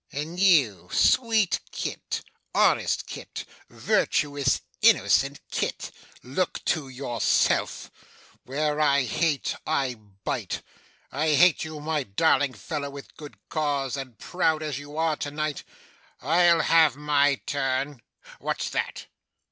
And you, sweet Kit, honest Kit, virtuous, innocent Kit, look to yourself. Where I hate, I bite. I hate you, my darling fellow, with good cause, and proud as you are to night, I'll have my turn. What's that?